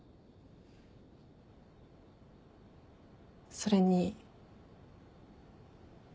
それに。